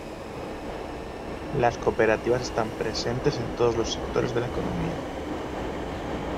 Las cooperativas están presentes en todos los sectores de la economía.